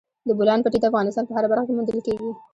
د بولان پټي د افغانستان په هره برخه کې موندل کېږي.